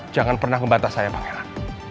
jangan pernah membantah saya bang heran